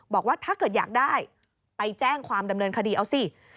บอกว่าถ้าเกิดอยากได้ไปแจ้งความดำเนินคดีเอาสิ